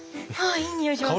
いい匂いしますね。